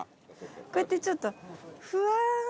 こうやってちょっとふわーん。